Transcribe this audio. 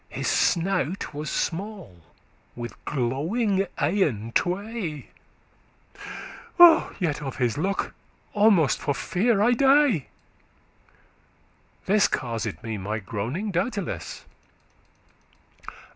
His snout was small, with glowing eyen tway; Yet of his look almost for fear I dey;* *died This caused me my groaning, doubteless."